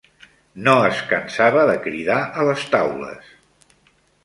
No es cansava de cridar a les taules